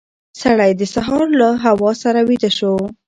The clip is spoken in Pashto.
سړی د سهار له هوا سره ویده شو.